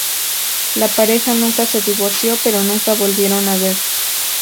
La pareja nunca se divorció, pero nunca volvieron a verse.